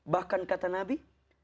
bahkan kata nabi